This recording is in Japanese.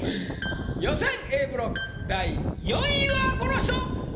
予選Ａブロック第４位はこの人！